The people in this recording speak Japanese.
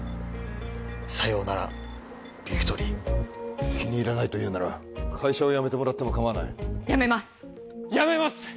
さようならビクトリー気に入らないというなら会社を辞めてもらっても構わない辞めます辞めます！